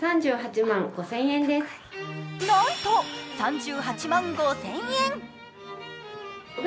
なんと３８万５０００円。